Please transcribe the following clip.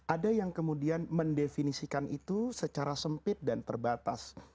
ada yang kemudian mendefinisikan itu secara sempit dan terbatas